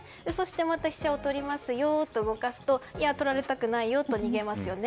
また飛車を取りますよと動かすと、取られたくないよと逃げますよね。